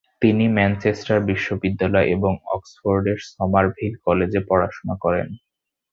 তিনি ম্যানচেস্টার বিশ্ববিদ্যালয় এবং অক্সফোর্ডের সমারভিল কলেজে পড়াশোনা করেন।